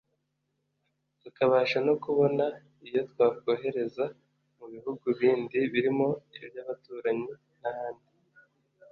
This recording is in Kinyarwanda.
tukabasha no kubona iyo twakohereza mu bihugu bindi birimo iby’abaturanyi n’ahandi